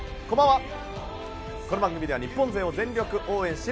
この番組では日本勢を全力応援。